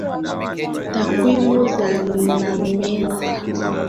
takwimu zinasema kuwa watu mia saba kumi na mbili waliokolewa